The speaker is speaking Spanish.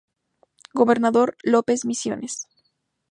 Gobernador Lopez, Misiones.